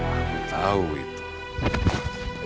aku tahu itu